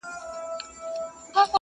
کلونه کېږي د بلا په نامه شپه ختلې!.